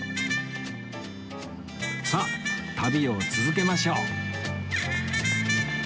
さあ旅を続けましょう